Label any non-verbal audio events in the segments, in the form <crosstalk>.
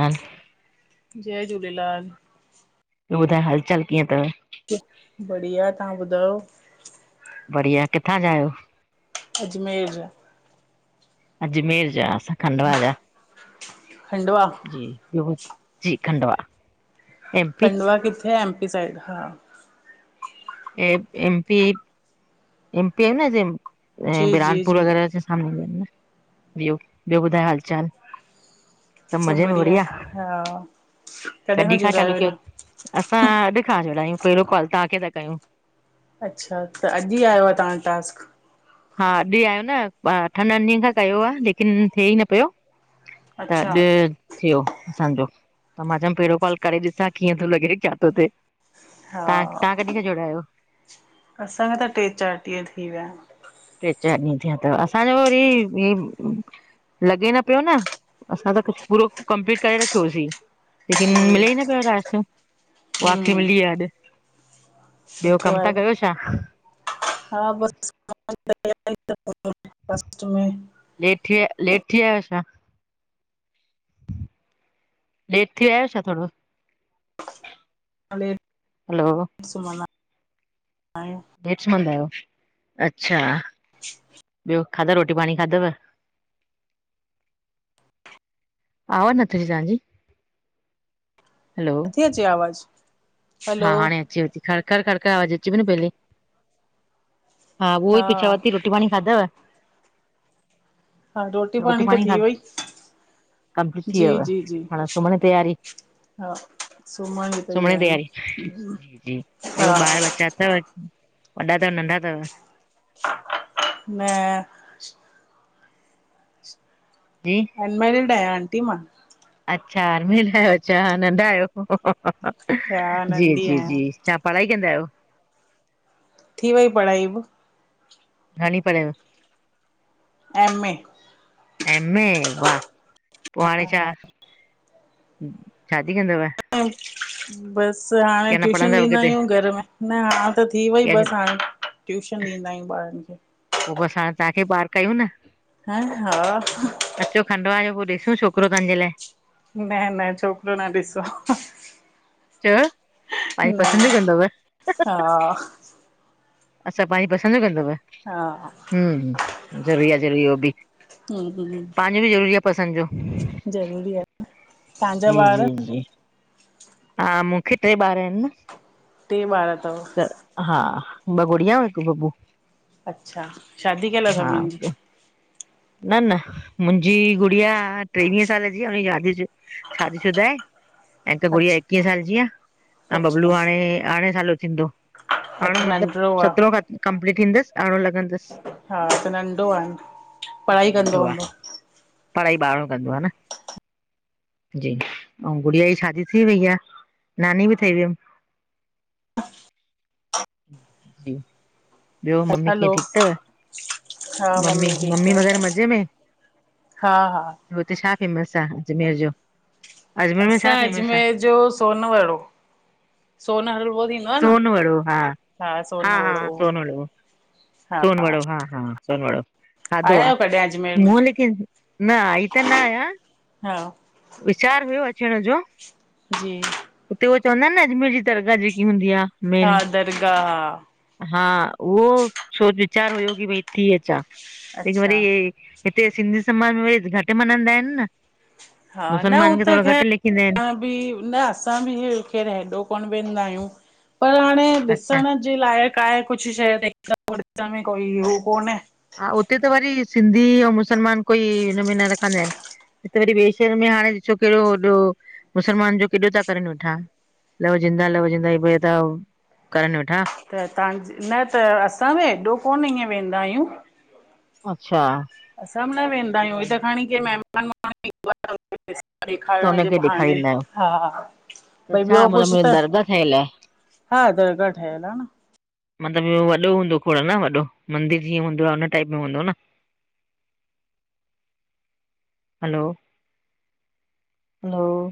नाल <inaudible> जय झूलेलाल ॿियो ॿुधाए, हाल चाल कीअं अथव? बढ़ियाआए, तां ॿुधायो? बढ़िया आहे, किथां जा आयो? अजमेर जा अ अजमेर जा, असीं खंडवा जा। खंडवा जी ॿियो, जी खंडवा। एम पी खंडवा किथे एमपी साइड, हा। म पी मपी आहे न जी जी बुराहानपुर जी वग़ैरह रामनगर में, ॿियो -ॿियो ॿुधायो हालु चाल? सभु मज़े में बढ़िया बढिया, आहे हा कॾहिं कॾि खां चालू जुड़ायो हिन कयो? असां अॼु खां जुड़ा आहियूं, पहिरियों कॉल तव्हांखे था कयूं। अच्छा -अच्छा, त अॼु ई आयो आहे तव्हांजो टास्क? हा अॼु आयो न, अठन- ॾहन ॾींहंन खां कयो आ लेकिन थिए ई न प्यो। दॾ अच्छा <inaudible> थियो असांजो, त मां चयमि पहिरियों काल करे ॾिसां कीअं थो लॻे छा थो थिए! हा तव्हां तव्हां कॾहिं खां जुड़िया आहियो? असां खे त टे चार ॾींह थी विया। ट्रे चारि ॾींहं थिया तव व असांजो वरी लॻे न पियो न, असां त कुछ पूरो कंपलीट करे रखियोसीं। लेकिन आहिनि मिले ई न पियो अलाए छो पो आखिर हम्म मिली वियो आ अॼ। सुठो आहे न हा बस <unintelligible> फस्ट में लेट थी विया, लेट थी विया छा? लेट थी विया आयो छा थोड़ो। हलो <unintelligible> लेट सुमंदा आयो अच्छा। <inaudible> ॿियो खाधव रोटी पाणी खाधव? आवाज़ नथे अचे तव्हांजी हलो। नथी अचे आवाज़। हा हलो हाणे अचेवती खड़ खड़ खरखर आवाज अचे पई न पहले। हा उव ई त चवांती रोटी पाणी खाधव? हा, रोटी पाणी त थी वई। कंप्लीट थी जी, वियव जी, जी। हाणे सुम्हण जी तयारी हा, ससमण जी तयारी। जी, जी ॿियो हा ॿार बच्चा अथव वॾा तव नंढा तव। न। जी। अनमैरिड आयां आंटी मां। अच्छा, अरमिल आयो अच्छा नंढा आयो हा जी, नंढी जी, आहियां जी। छा, पढ़ाई कंदा आहियो? थी वई पढ़ाई बि। घणी पढ़ेव? एमे। एमे वाह! पो हाणे छा शादी कंदव। अ <inaudible> बसि, हाणे की अञा ट्यूशन पढ़ंदव ॾींदा किथे आयूं घर में, न हाण त थी वई बस पोइ हाणे। ट्यूशन ॾींदा आयूं ॿारन खे। पो बस हाणे तव्हांखे पार कयूं न। ह हा। अचो, खंडवा जो पो ॾिसूं छोकरो तव्हांजे लाइ। न न छोकरो न ॾिसो। छो? न हा। अछा पांजी पसंद जो कंदव, हा हूम ज़रूरी आ, ज़रूरी आ उहो बि। हम्म पांजो बी ज़रूरी आ पसंद जो। ज़रूरी आहे तव्हांजा जी, ॿार जी, जी। हा मुखे ट्रे ॿार आहिन न। टे ॿार तव। हा ॿ गुड़िया अऊं हिक बबू। अच्छा, शादी कयल आ हा सभनिन जी। न न मुंहिंजी गुड़िया टेवीह साल जी आ। हुनजी शादी शादी शुदा आहे। ऐं हिकु गुड़िया अच्छा एकवीह साल जी आ ऐं बबलू अच्छा हाणे अरिड़हं साल जो थींदो। हाणो अच्छा मतिलब नंढिड़ो सत्रहो आहे खां कंप्लीट थींदसि अरणो लगंदसि। हा त नंढो आ। जी नंढो आ। पढ़ाई ॿारहो कंदो आ न। जी ऐं गुड़िया जी शादी थी वई आ, नानी बि ठही वियमि। जी। ॿियो ममी कीअं हलो ठीकु हा थव? ममी मम्मी ठीकु ममी मगर आहे मज़े में? हा हा हुते छा फेमस आहे अजमेर जो? अजमेर में असां छा फेमस आहे अजमेर जो सोनवड़ो। सोन हलवो थींदो आ न, सोन हासोन वड़ो। हलो। सोन वड़ो, हा हा सोन वड़ो। आया अधवा आहियो कॾहिं अजमेर में मूलीक न आ त ना। हा वीचारु हुयो अचण जो। जी। उतेह चवंद आहिनि न अजमेर जी दरगा जेकी हूंदी आहे। हा दरगाह हा। हा उहो सोच वीचार हुयो की भई थी अचां, लेकिन अच्छा वरी हिते सिंधी समाज में वरी घटि मञदा आहिनि न हा न हू मुस्लमान खे त थोरो ख़ैर घटि लेखींदा आहिनि असां न असां बिरु हेॾो कोन वेंदा आहियूं पर हाणे अच्छा ॾिसण लाइक़ आहे कुझु शइ कोई कोनहे हा उते त वरी सिंधी ऐं मुसलमान कोई हुनमें न रखंदा आहिनि। त वरी वॿे शहर में हाणे ॾिसो कहिड़ो होॾो मुसलमान जो केॾो ता करनि वेठा। लहो ज़िंदा लह जिंदा इ भ त करनि वेठा। त तव्हांज न त असां बि एॾो कोन ईअं वेंदा आहियूं। अच्छा। असां बि न वेंदा आहियूं हीअ त खणी केरु महिमान त ॾेखारण जे हुनखे बहाने ॾेखारींदा आहियो हा हा त छा मल मुंहिंज दर्गा ठयल आहे? हा दरगा ठहियल आहे न। मतिलबु वॾो हूंदो थोरो न वॾो मंदरु जीअं हूंदो आहे हुन टाइप में हूंदो न। हलो। हलो।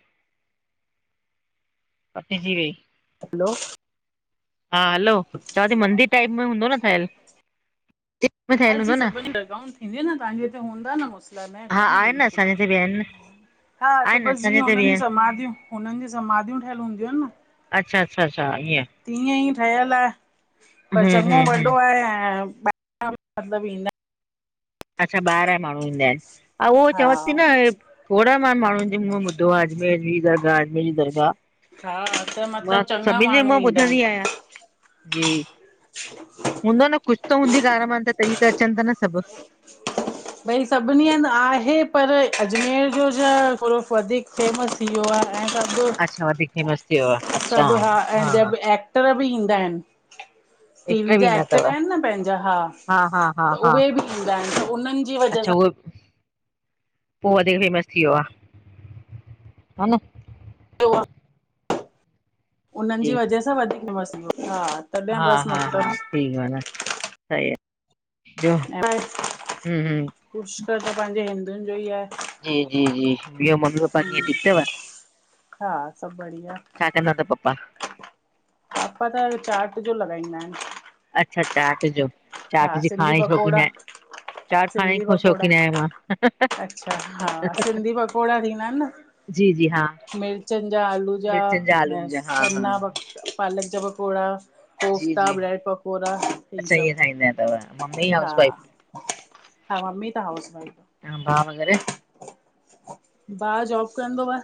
कटजी वेई। हलो। हा हलो, चां थी मंदीर टाइप में हूंदो न ठहियल। में हा ठहियल जी हूंदो न सभी थींदी न तव्हांजे हि हूंदा न न हा काननि, आहे न असांजे हिते बि आहिनि बिल्कुलु हा त आहिनि बसि असांजे जीअं हिते बि हुननि जी आहिनि समाधियूं हुननि जी समाधियूं ठहियलु हूंदियूं आहिनि न, अच्छा अच्छा अच्छा ईअं तीअं ई ठहियलु आहे। पर हम्म चङो हम्म वॾो हम्म आहेॿहिर मतबु ईंदा इन। अच्छा ॿाहिरां माण्हू ईंदा आहिनि ऐं उहो हा चवंद थी न थोड़ा मान माण्हुनि जे मुहं ॿुधो आहे अजमेर अजमी दराह अजमेर जी दरगाह हा त मां मतिलबु चङा सभिननि जे माण्हू मुंह मां ईंदा आहिनि ॿुधंदी आहियां जी। हूंदो न कुछ त हूंदी गाल्हि मानि, तॾहिं त अचनि ता न सभु। भई सभिनी हंधि आहे पर अजमेर जो छा थोड़ो वधीकु फेमस थी वियो आहे ऐं अच्छा वधीक फेमस थी वियो आ अच्छा सभु हा ऐं जब एक्टर बि ईंदा आहिनि। टीवी बि जा ईंदा तव एक्टर आहिनि न पंहिंजा हा। हा हा त हा उहे बि ईंदा आहिनि त उन्हनि जी वजह अच्छा सां उहो! पोइ वधीकु फेमस थी वियो आ, हनि? थियो आहे उन्हनि जी वजह सां वधीकु फेमस थियो हा। तॾहिं हा- बसि हा- हा मतिलबु सही गाल्हि आ, सही आ। ॿियो हूं हूं पुष्कर त पाहिंजे हिंदुनि जो ई आहे। जी- जी- जी ॿियो मम्मी- पपा किअं, हम्म ठीकु तवि? हा सभु बढ़िया छा कन्दा तवि पपा? पापा त चाट जो लॻाईंदा आहिनि। अच्छा, चाट जो? चाट हा, जी सिंधी खाइण जी शौक़ीन पकोड़ा। आहियां चाट खाइण सिंधी जी पकोड़ा, शौक़ीन आहियां मां अच्छा हा। सिंधी पकोड़ा थींदा आहिनि न? जी जी हा मिर्चनि जा-आलू जा मिर्चनि आलूनि ऐं जा हा हा सन्ना प पालकु जा पकोड़ा, जी कोफ्ता, ब्रेड-पकोड़ा हे सभु। अथव <unintelligible> हा- हा मम्मी त हाऊस वाइफ। अउ भाउ वग़ैरह? भाउ जॉबु कन्दो आ।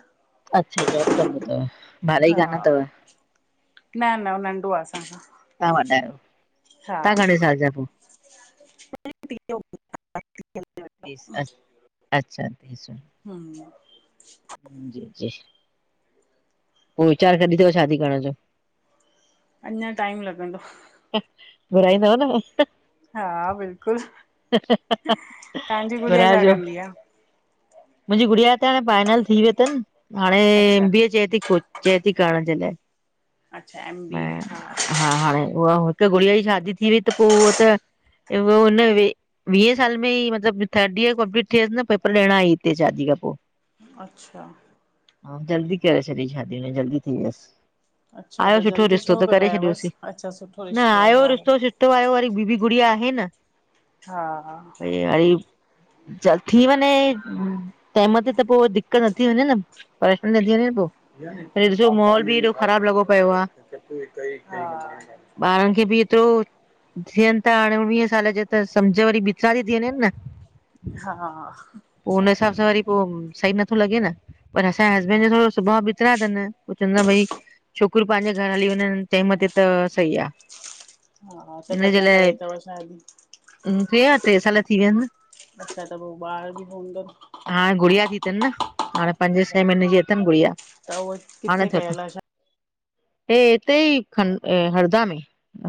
अच्छा, जॉबु कन्दो तवि? हा न-न नंढो आ असांखां। तव्हां वॾा आहियो, हा तव्हां घणे सालु जा पोइ? टीयो अच्छा टीसो। हम जी -जी पोइ वीचार कॾी तवि, शादी करणि जो? अञा टाईम लॻंदो। घुराईंदव न? हा बिल्कुलु। ह-ह तव्हांजी गुड़िया छा घुरायिजो। कंदी आ मुंहिंजी गुड़िया त हाणे फाइनलु थी वियो तनि। हाणे अच्छा एमबीए चए ती खुद। चए ती करणु जे लाइ, अच्छा एम बी ए हा हा हाणे उहा हिकु गुड़िया जी शादी थी वई त, पोइ उहो त वीहें सालु में ई मतिलबु थर्ड ईयर कंप्लीट थियसि न, पेपरु ॾियणु आई हिते शादी खां पोइ। अच्छा। हा जल्दी करे छॾी शादी, हुनजी जल्दी थी वियसि‌। अच्छा त जल्दी छो छॾियोसीं करावोयिसु? अच्छा सुठो न रिश्तो आयो आ। रिश्तो सुठो आयो वरी बी-बी गुड़िया आहे न। हा भई वरी थी वञे टाईमु ते त पोइ दि दिक्क़त न थी वञे न, परेशानी नथी वञे न पोइ। वरी ॾिसो माहौल बि एॾो ख़राब लॻो हा पियो आहे <unintelligible> ॿारनि खे बि एतिरो थियनि था हाणे उणिवीह साल जा त सम्झ वरी विसार <unintelligible> थी वञेनि न हा पोइ हुनन हिसाब सां वरी पोइ सही नथो लॻे न पर असांजे हसबैंड जो थोरो सुभाणउ ॿितरा अथनि हू चवंदा भई छोकिरियूं पंहिंजे घर हली वञनि टाइम ते त सही आहे हा त कॾहिं <unintelligible> रही तव साली उनटीह टीह साल थी विया आहिन अच्छा त पोइ ॿार बि हुंदव हा गुड़िया थी हाणे पंजे अच्छा छह महीने जी अथनि गुड़िया त उहो हाणे किथे थ कयल आहे हे हिते ई खं हरदा में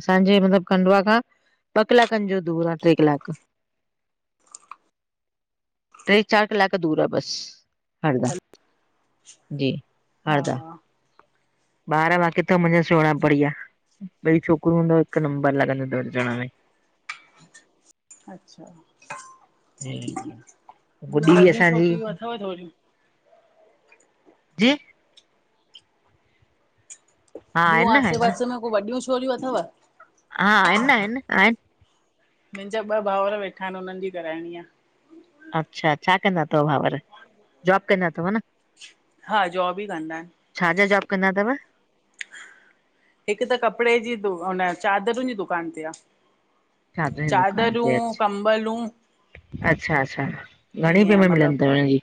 असांजे मतिलबु खंडवा खां ॿ कलाकनि जो दूर आहे टे कलाक टे चार कलाक दूर आहे बस हरदा शादी? जी हा हरदा ॿार बाकी अथव मुंहिंजा सोणा बढ़िया ॿिनि छोकिरी हूंदव हिकु नंबर लॻंन <unintelligible> दव हाणे अच्छा ह गुॾी बि वॾियूं असांजी छोकिरियूं अथव थोरियूं? जी हा ॿियूं आहिनि न आसे आहिनि न पासे में को वॾियूं छोरियूं अथव हा आसिन न आहिन आहिन मुंहिंजा ॿ भाउर वेठा आहिन हुनन्हनि जी कराइणी आहे अच्छा छा कंदा अथव भाउर जॉब कंदा अथव न हा जॉब ई कंदा आहिन छाजो जॉब कंदा अथव हिकु त कपिड़े जी द हुन चादरुनि जी दुकान ते आहे छाजनि जी दुकान चादरूं ते अच्छा कबलूं अच्छा अच्छा घणी पेमेंट मिलंद अथव हुनजी <unintelligible>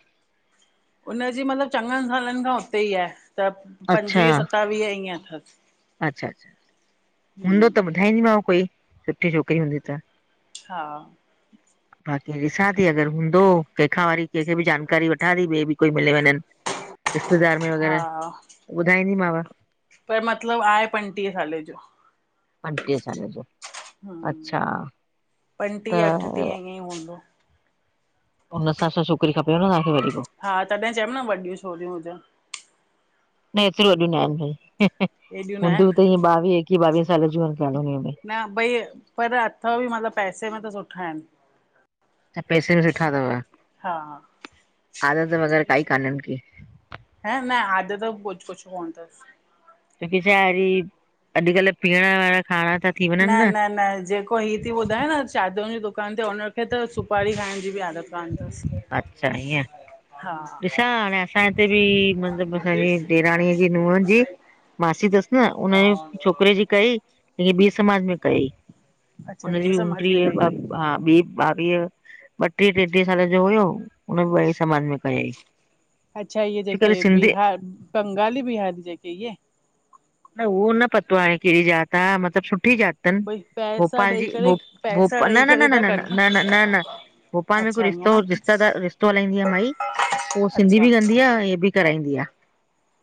उन जी मतलबु चङनि सालनि खां उते ई आहे त अच्छा पंजवीह सतावीह ईअं अथसि अच्छा अच्छा हूंदो हम्म त ॿुधाईंदीमांव कोई सुठी छोकिरी हूंदी त हा हम <inaudible> बाक़ी ॾिसां थी अगरि हूंदो कंहिंखां वरी कंहिंखे बि जानकारी वठां थी ॿिए बि कोई मिली वञनि। रिश्तेदार में वग़ैरह हा ॿुधाईंदीमांव पर मतिलबु आहे पंटीहें साले जो। पंटीह साल जो अच्छा त पंटीह अठटीह ईअं ई हूंदो उन हिसाब सां छोकिरी खपेव आहे <unintelligible> वरी पो। हा तॾहिं चयमि न वॾियूं छोरियूं हुजनि। न एतिरि वॾियूं न आहिन भई एॾियूं न आहिनि हूंदियूं त ईअ ॿावीह एकवीह ॿावीहें साले जूं आहिन कालोनीअ में। न भई पर अथव बि मतलबु पैसे में त सुठा आहिन त पैसे बि सुठा अथव हा आदत वग़ैरह काई काननि की ह न आदत ब कुछ- कुछ कोन थस छोकि छा अॼु ई अॼुकल्ह पीअण वारा खाना त थी वञनि न अल्हाए जेको पो हीअ थी ॿुधाए न चादरुनि जी दुकान ते हुन खे त सुपारी खाइण जी बि आदत कोन अथसि। अच्छा ईअं, हा ॾिसा हाणे छा हिते बि, मतलब असांजी ॾेराणीअ जी नूंहं जी मासी तस न, उनजे छोकरे जी कयई, लेकिन ॿी समाज में कयई। अच्छा उनजी ॿिए बि समाज में कई ऊंट्रीह आ अथई भाभी! ॿावीह ॿट्रीह ट्रेट्रीह साल जो हुयो, हुन ॿेई समाज में कयईं। अच्छा, इहे जेके बिहार, बंगाली, बिहारी जेके इये? न उहो न पतो आहे, केड़ी जात आ, मतलब सुठी जात तन, भई पैसा भोपाल जी ॾेई करे भो पैसा भोपा न ॾेई न करे न न था न कनि न न न न भोपाल में को अच्छा ईअं रिश्तो न रिश्त रिश्तो हलाईंदी आ माई, उहो सिंधी अच्छा बि कंदी आ, हे बि। कराईंदी आ।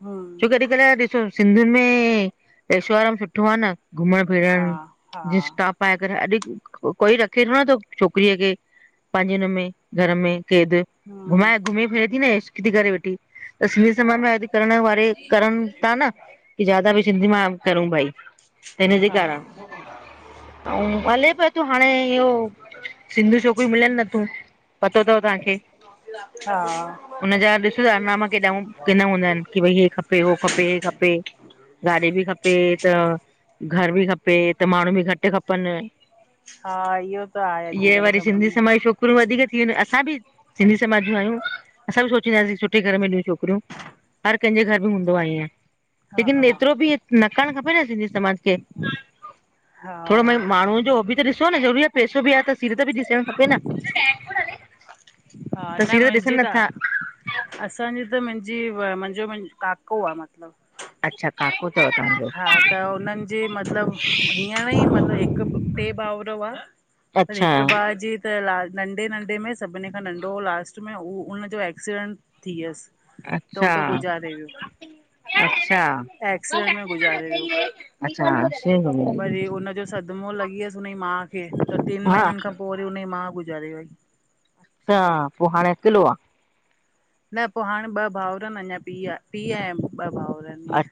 हूं अॼकल्ह ॾिसो, सिंधियुन में एशोआराम सुठो आ न, घुमण हा फिरण, हा जींस टाप पाए करे, अॼ कोई रखे थोड़ नथो छोकरीअ खे पांजे हुनमें, घर में केद, हूं घुमाए घुमे फिरे थी न, एशक थी करे वेठी। त सिंधी हा समाज में अॼ करण वारे करन ता न, कि ज़्यादा बि सिंधी मां करूं भाई। हा अऊं, हले प्यो थो, हाणे इहो सिंधी छोकरयूं मिलन नथियूं। पतो तव तहांखे, हा हुनजा ॾिसो ता आरनामा केॾा किना हूंदा एन। की भई हे खपे, हो खपे, हे खपे। गाॾी बि खपे, त घर बि खपे, त माण्हूं बि घट खपन। हा, इहो त आहे अॼकल्ह सभु। कुछ वधीक थी वञे, असां बि सिंधी समाज ज्यूं आयूं असां बि सोचींदासीं सुठे घर में ॾयूं छोकिरयूं। हर कंहिंजे घर में हूंदो आ ईंअं। हा लेकिन एतरो बि न करण खपे न, सिंधी समाज खे। हा थोड़ो भई माण्हूंअं जो हो बि त ॾिसो न, ज़रूरी आहे पैसो बि आहे त सीरत बि ॾिसण खपे न, हा त न सीरत मुंहिंजी ॾिसन त नथा। असांजी त मुंजी, मुंजो काको आ मतलब। अच्छा काको तव? हा त हुनन जे मतलब, हींअर ई मतलब हिक ट्रे भाउर हुआ। पर अच्छा हिक भा जे त ला, नंढ़े नंढ़े में सभिन खां नंढ़ो हो लास्ट में, ऊ उनजो एक्सीडेंट थी व्यस। अच्छा अच्छा एक्सीडेंट में गुज़ारे वियो अच्छा, एक्सीडेंट हो गया। वरी उनजो सदमो लॻी व्यस हुन जी माउ खे, त ट्रिन हा महीनन खां पो वरी उनजी मां, गुज़ारे वई। त, पो हाणे अकेलो आ? न पो हाणे ॿ भाउर एन, अञा पीउ आ, पीउ ऐं ॿ भाउर एन। अच्